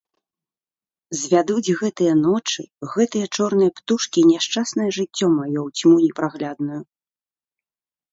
Звядуць гэтыя ночы, гэтыя чорныя птушкі няшчаснае жыццё маё ў цьму непраглядную!